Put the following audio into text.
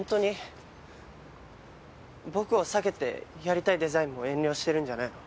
僕を避けてやりたいデザインも遠慮してるんじゃないの？